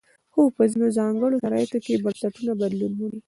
خو په ځینو ځانګړو شرایطو کې بنسټونه بدلون مومي.